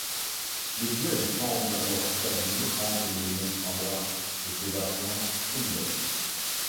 Le duel semble alors s'établir entre Lionel Sanders et Sebastien Kienle.